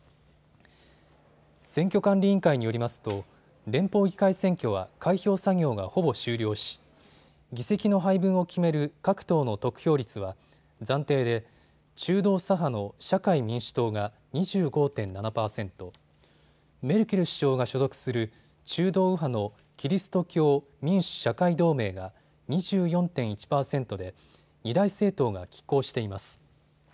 選挙管理委員会によりますと連邦議会選挙は開票作業がほぼ終了し議席の配分を決める各党の得票率は暫定で中道左派の社会民主党が２５．７％、メルケル首相が所属する中道右派のキリスト教民主・社会同盟が２４．１％で二大政党がきっ抗しています。